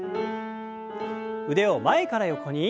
腕を前から横に。